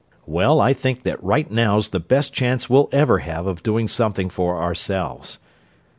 "Well, I think that right now's the best chance we'll ever have of doing something for ourselves."